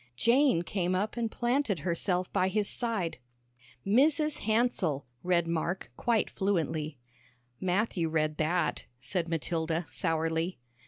Jane came up and planted herself by his side. "'Mrs. Hansell,'" read Mark, quite fluently. "Matthew read that," said Matilda, sourly.